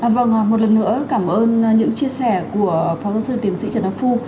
vâng một lần nữa cảm ơn những chia sẻ của phó giáo sư tiềm sĩ trần áp phu